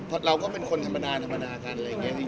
เพราะเราก็เป็นคนธรรมดาธรรมดากันอะไรอย่างนี้